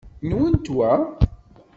Nwent wa?